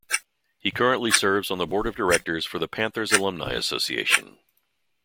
He currently serves on the Board of Directors for the Panthers Alumni Association.